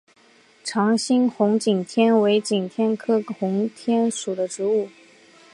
长蕊红景天为景天科红景天属的植物。